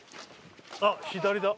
あっ左だ。